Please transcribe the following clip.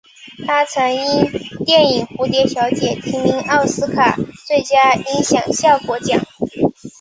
他曾因电影蝴蝶小姐提名奥斯卡最佳音响效果奖。